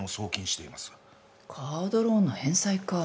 カードローンの返済か。